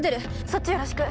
そっちよろしく！